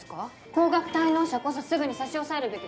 高額滞納者こそすぐに差し押さえるべきでは？